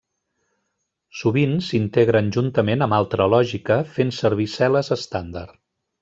Sovint s'integren juntament amb altra lògica fent servir cel·les estàndard.